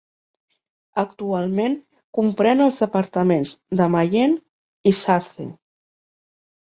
Actualment comprèn els departaments de Mayenne i Sarthe.